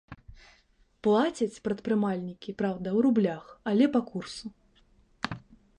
Плацяць прадпрымальнікі, праўда, у рублях, але па курсу.